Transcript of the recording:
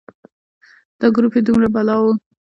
دا ګروپ یې دومره بلا و.